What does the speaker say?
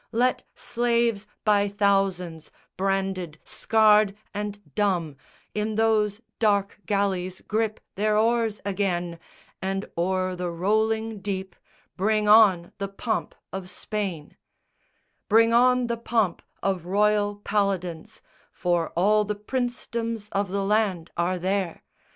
Let slaves, by thousands, branded, scarred and dumb, In those dark galleys grip their oars again, And o'er the rolling deep bring on the pomp of Spain; Bring on the pomp of royal paladins (For all the princedoms of the land are there!)